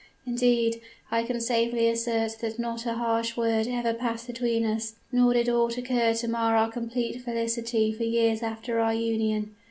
Indeed, I can safely assert that not a harsh word ever passed between us, nor did aught occur to mar our complete felicity for years after our union.